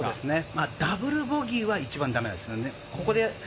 ダブルボギーは一番だめですね。